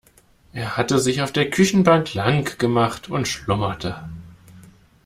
Er hatte sich auf der Küchenbank lang gemacht und schlummerte.